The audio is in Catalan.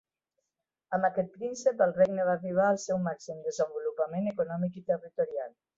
Amb aquest príncep el regne va arribar al seu màxim desenvolupament econòmic i territorial.